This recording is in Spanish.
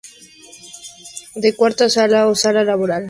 D.- Cuarta Sala o Sala Laboral y Previsional.